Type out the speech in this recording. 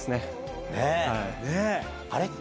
あれ？